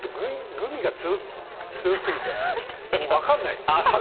グミが強すぎて分からないです。